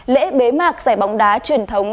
lễ bế mạc giải bóng đá truyền thống